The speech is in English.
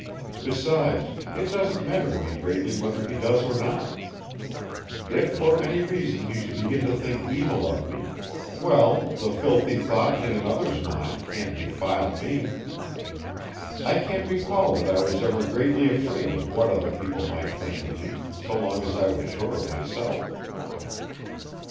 Besides, it doesn't matter to me greatly whether he does or not. If for any reason he should begin to think evil of me well, the filthy thought in another's mind can't defile me. I can't recall that I was ever greatly afraid of what other people might think of me, so long I was sure of myself."